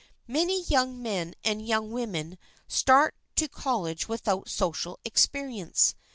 Many young men and young women start to college without social experience.